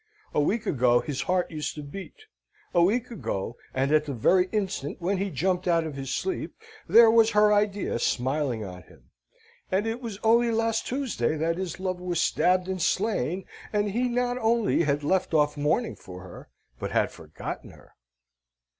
A week ago his heart used to beat. A week ago, and at the very instant when he jumped out of his sleep, there was her idea smiling on him. And it was only last Tuesday that his love was stabbed and slain, and he not only had left off mourning for her, but had forgotten her!